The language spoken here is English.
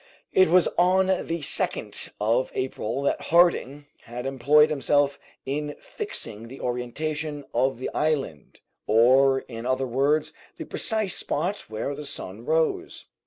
It was on the 2nd of April that Harding had employed himself in fixing the orientation of the island, or, in other words, the precise spot where the sun rose.